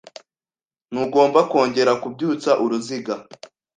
Ntugomba kongera kubyutsa uruziga.